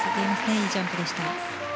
いいジャンプでした。